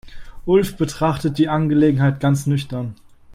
Ulf betrachtet die Angelegenheit ganz nüchtern.